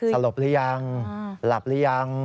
สลบหรือยังหลับหรือยัง